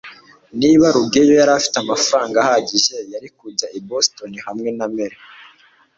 niba rugeyo yari afite amafaranga ahagije, yari kujya i boston hamwe na mary